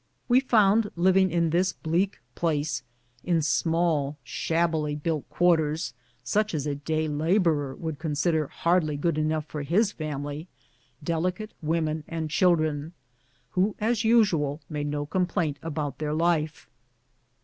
We found liv ing in this bleak place — in small, shabbily built quarters, such as a day laborer would consider hardly good enough for his family — delicate women and children, who, as usual, made no complaint about their life.